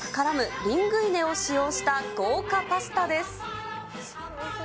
リングイネを使用した豪華パスタです。